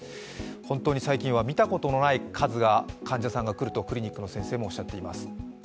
本当に最近は見たことない数の患者さんが来るとクリニックの先生も言っています。